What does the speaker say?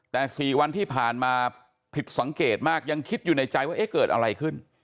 แต่๔วันที่ผ่านมาผิดสังเกตมากยังคิดอยู่ในใจว่าเอ๊ะเกิดอะไรขึ้น